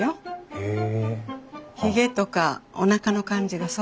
へえ？